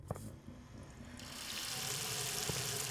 যেন শুনিতে পায় নাই, এই ভান করিয়া স্থির হইয়া দাঁড়াইয়া রহিল।